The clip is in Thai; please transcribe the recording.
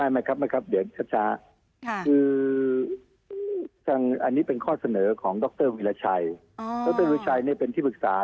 ไม่ครับไม่ครับเดี๋ยวช้าคืออันนี้เป็นข้อเสนอของดรวิราชัยดรวิชัยเป็นที่ปรึกษา